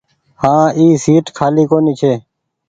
هآن اي سيٽ کآلي ڪونيٚ ڇي۔